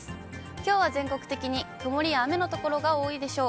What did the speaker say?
きょうは全国的に曇りや雨の所が多いでしょう。